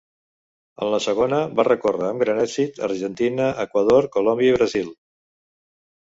En la segona van recórrer amb gran èxit Argentina, Equador, Colòmbia i Brasil.